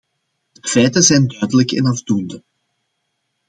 De feiten zijn duidelijk en afdoende.